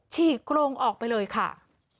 ฉีกโครงออกไปเลยค่ะ